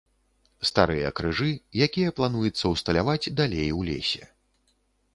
Старыя крыжы, якія плануецца ўсталяваць далей у лесе.